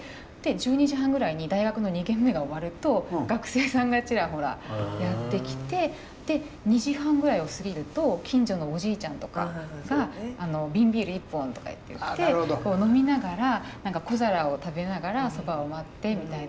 １２時半ぐらいに大学の２限目が終わると学生さんがちらほらやって来てで２時半ぐらいを過ぎると近所のおじいちゃんとかが「瓶ビール１本」とか言って飲みながら何か小皿を食べながら蕎麦を待ってみたいな。